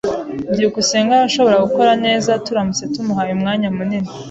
byukusenge arashobora gukora neza turamutse tumuhaye umwanya munini.